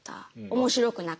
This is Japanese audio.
「面白くなかった」。